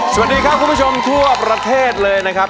สวัสดีครับคุณผู้ชมทั่วประเทศเลยนะครับ